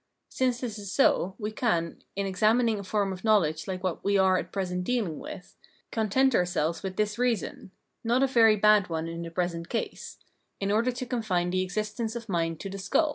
Since this is so, we can, in examining a form of knowledge hke what we are at present deahng with, content ourselves with this reason, — not a very bad one in the present case, — in order to confine the existence of mind to the skuU.